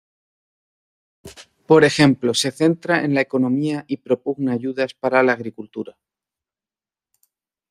Por ejemplo, se centra en la economía y propugna ayudas para la agricultura.